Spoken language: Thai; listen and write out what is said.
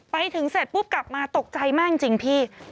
ไปถึงเสร็จปุ๊บกลับมาตกใจมากจริงพี่